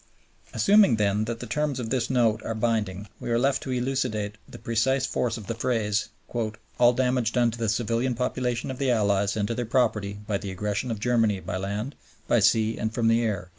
Assuming then that the terms of this Note are binding, we are left to elucidate the precise force of the phrase "all damage done to the civilian population of the Allies and to their property by the aggression of Germany by land, by sea, and from the air."